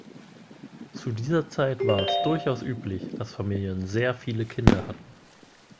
Zu dieser Zeit war es durchaus üblich, dass Familien sehr viele Kinder hatten.